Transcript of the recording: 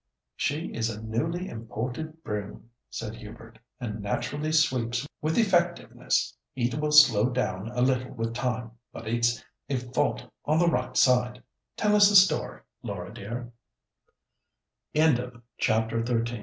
"She is a newly imported broom," said Hubert, "and naturally sweeps with effectiveness. It will slow down a little with time. But it's a fault on the right side. Tell us the story, Laura de